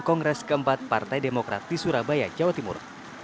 kongres keempat partai demokrat di surabaya jawa timur